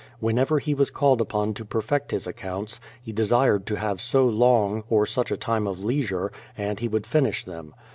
Whenever he was called upon to perfect his accounts, he desired to have so long, or such a time of leisure, and he would finish them.